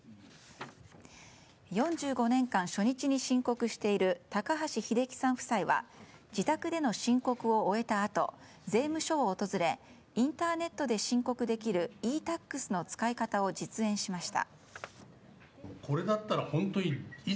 ４５年間、初日に申告している高橋英樹さん夫妻は自宅での申告を終えたあと税務署を訪れインターネットで申告できるｅ‐Ｔａｘの使い方を実演しました。